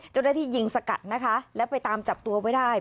เจ้าหน้าที่ยิงสกัดนะคะแล้วไปตามจับตัวไว้ได้